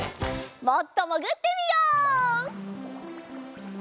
もっともぐってみよう！